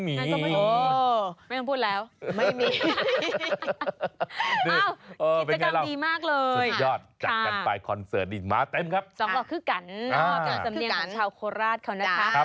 มีอีกไหมใครมาอีกไหม